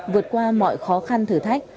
vượt qua mọi khó khăn thử thách